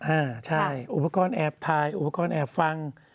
อ่าใช่อุปกรณ์แอบถ่ายอุปกรณ์แอบฟัง